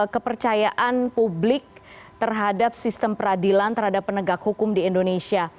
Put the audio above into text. kepercayaan publik terhadap sistem peradilan terhadap penegak hukum di indonesia